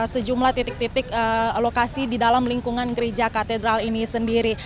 sejumlah titik titik lokasi di dalam lingkungan gereja katedral ini sendiri